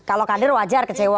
kalau kader wajar kecewa